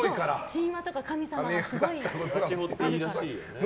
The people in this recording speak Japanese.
神話とか神様がすごいあるから。